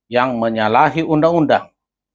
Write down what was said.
yang menyalahi undang undang